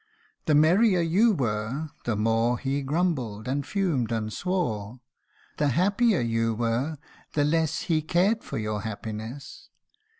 The merrier you were, the more He grumbled, and fumed, and swore; The happier you were, the less He cared for your happiness.